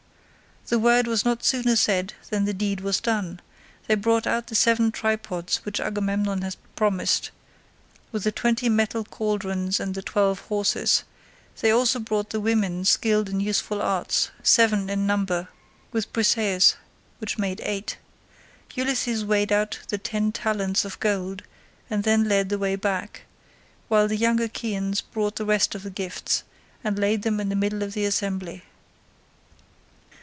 The word was not sooner said than the deed was done: they brought out the seven tripods which Agamemnon had promised, with the twenty metal cauldrons and the twelve horses; they also brought the women skilled in useful arts, seven in number, with Briseis, which made eight. Ulysses weighed out the ten talents of gold and then led the way back, while the young Achaeans brought the rest of the gifts, and laid them in the middle of the assembly.